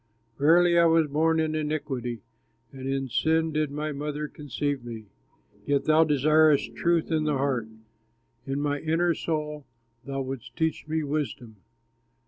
Verily I was born in iniquity, And in sin did my mother conceive me. Yet thou desirest truth in the heart, In my inner soul thou wouldst teach me wisdom.